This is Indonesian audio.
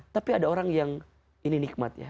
tapi ada orang yang ini nikmatnya